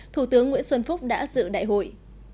thủ tướng nguyễn xuân phúc đã dự đại hội